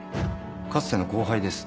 かつての後輩です。